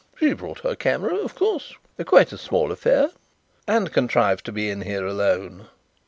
She brought her camera, of course quite a small affair." "And contrived to be in here alone?"